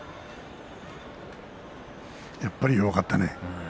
やっぱり弱かったね。